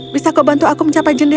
bisa kau bantu aku mencapai jendela